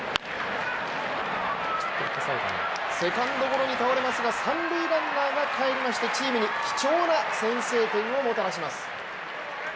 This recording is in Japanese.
セカンドゴロに倒れますが三塁ランナーが帰りましてチームに貴重な先制点をもたらします。